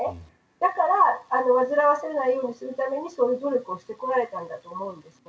だから煩わされないようにするためにそういう努力をしてこられたと思うんですね。